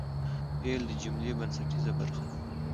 فعل د جملې بنسټیزه برخه ده.